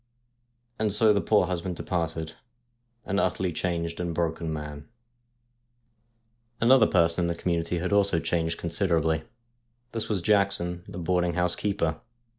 And so the poor husband departed, an utterly changed and broken man. A GHOST FROM THE SEA 167 Another person in the community had also changed con siderably. This was Jackson, the boarding house keeper.